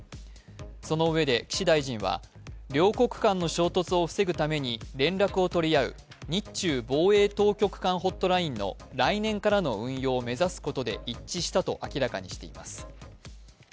その上で岸大臣は、両国間の衝突を防ぐために連絡を取り合う、日中防衛当局間ホットラインの来年からの運用を目指すことで一致したと明らかにしています。